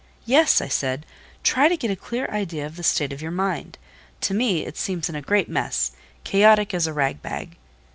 "Yes!" I said, "try to get a clear idea of the state of your mind. To me it seems in a great mess—chaotic as a rag bag."